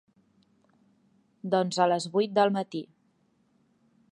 Doncs a les vuit del matí.